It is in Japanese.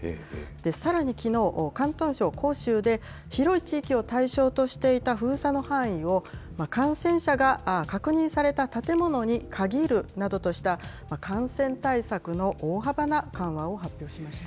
さらにきのう、広東省広州で、広い地域を対象としていた封鎖の範囲を、感染者が確認された建物に限るなどとした、感染対策の大幅な緩和を発表しました。